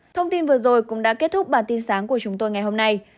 thông tin vừa rồi cũng đã kết thúc bản tin sáng của chúng tôi ngày hôm nay